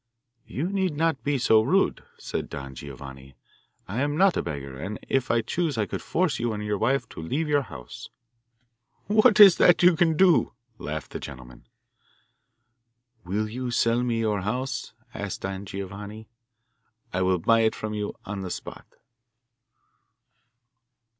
'You need not be so rude,' said Don Giovanni; 'I am not a beggar, and if I chose I could force you and your wife to leave your house.' 'What is that you can do?' laughed the gentleman. 'Will you sell me your house?' asked Don Giovanni. 'I will buy it from you on the spot.